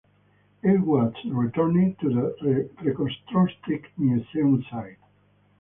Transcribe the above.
It has returned to the reconstructed museum site.